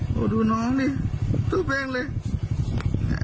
โหดูน้องดิทุกเพลงเลย